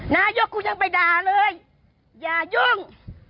นายกกูยังไปด่าเลยอย่ายุ่ง